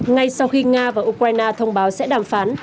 ngay sau khi nga và ukraine thông báo sẽ đàm phán